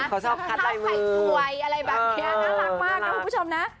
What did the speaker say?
เขาชอบขัดไหลมือข้าวไข่สวยอะไรแบบเนี่ยน่ารักมากนะคุณผู้ชมนะ